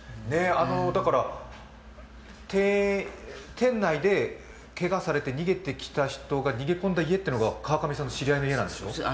店内でけがされて逃げてきた人が逃げ込んだ家というのが川上さんの知り合いなんでしょ？